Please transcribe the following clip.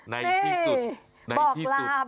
ในที่สุด